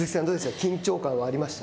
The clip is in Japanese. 緊張感はありました？